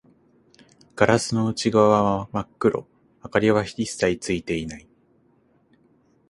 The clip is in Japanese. ガラスの内側は真っ暗、明かりは一切ついていない